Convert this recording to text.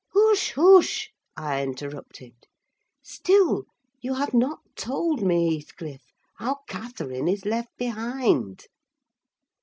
"Hush, hush!" I interrupted. "Still you have not told me, Heathcliff, how Catherine is left behind?"